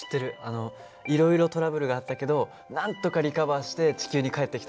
いろいろトラブルがあったけどなんとかリカバーして地球に帰ってきたんだよね。